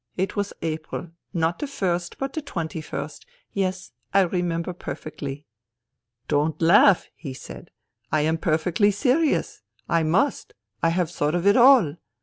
It was April — not the first but the twenty first — yes, I remember perfectly. "' Don't laugh,' he said. ' I am perfectly serious. I must. I have thought of it all.